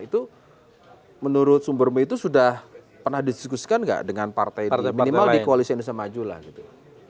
itu menurut sumber itu sudah pernah didiskusikan nggak dengan partai itu minimal di koalisi indonesia maju lah gitu